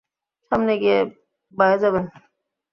সামনে গিয়ে বায়ে যাবেন।